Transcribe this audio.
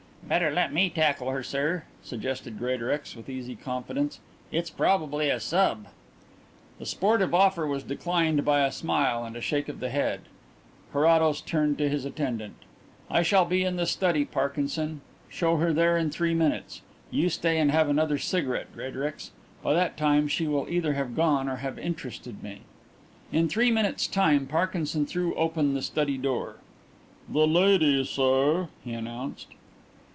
"Better let me tackle her, sir," suggested Greatorex with easy confidence. "It's probably a sub." The sportive offer was declined by a smile and a shake of the head. Carrados turned to his attendant. "I shall be in the study, Parkinson. Show her there in three minutes. You stay and have another cigarette, Greatorex. By that time she will either have gone or have interested me." In three minutes' time Parkinson threw open the study door. "The lady, sir," he announced.